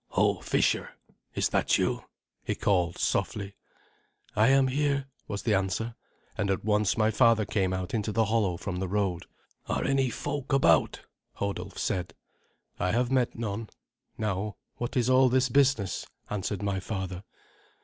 "Ho, fisher, is that you?" he called softly. "I am here," was the answer, and at once my father came into the hollow from the road. "Are any folk about?" Hodulf said. "I have met none. Now, what is all this business?" answered my father.